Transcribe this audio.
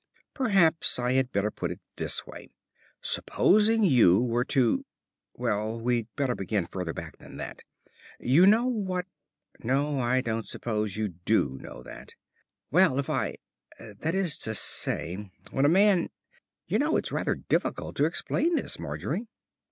"Perhaps, I had better put it this way. Supposing you were to Well, we'd better begin further back than that. You know what No, I don't suppose you do know that. Well, if I that is to say, when a man you know, it's rather difficult to explain this, Margery."